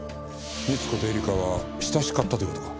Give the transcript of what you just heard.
三津子と恵利香は親しかったという事か？